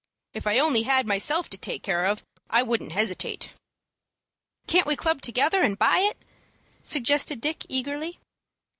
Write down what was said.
If I only had myself to take care of, I wouldn't hesitate." "Can't we club together, and buy it?" suggested Dick, eagerly.